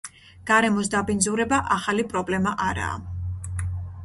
გარემოს დაბინძურება ახალი პრობლემა არაა.